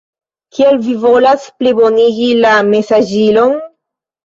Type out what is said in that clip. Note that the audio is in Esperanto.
Kiel vi volas plibonigi la mesaĝilon?